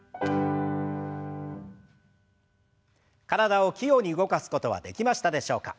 体を器用に動かすことはできましたでしょうか。